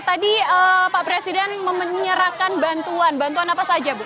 jadi pak presiden menyarankan bantuan bantuan apa saja ibu